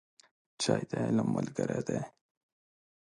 چای د علم ملګری دی